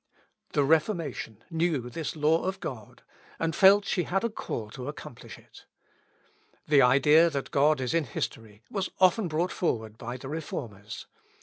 The Reformation knew this law of God, and felt she had a call to accomplish it. The idea that God is in history was often brought forward by the Reformers.